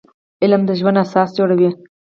علم د ژوند اساس جوړوي